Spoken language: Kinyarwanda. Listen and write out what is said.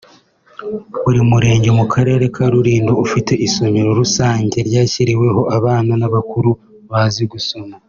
Buri Murenge mu Karere ka Rulindo ufite isomero rusange ryashyiriweho abana n’abakuru bazi gusoma